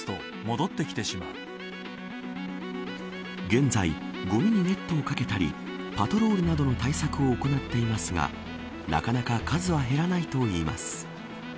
現在、ごみにネットをかけたりパトロールなどの対策を行っていますがなかなか数は減らないといいます。